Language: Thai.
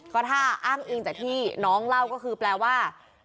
ก็ถ้าอ้างอิงจากที่น้องเล่าก็คือแปลว่า